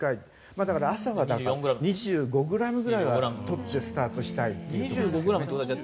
だから、朝は２５ｇぐらいは取ってスタートしたいところですね。